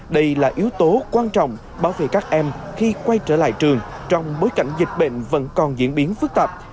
đây là yếu tố quan trọng bảo vệ các em khi quay trở lại trường trong bối cảnh dịch bệnh vẫn còn diễn biến phức tạp